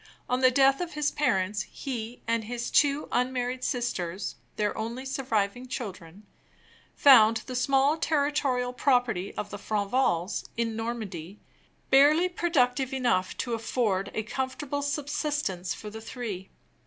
On the death of his parents, he and his two unmarried sisters (their only surviving children) found the small territorial property of the Franvals, in Normandy, barely productive enough to afford a comfortable subsistence for the three.